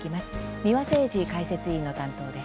三輪誠司解説委員の担当です。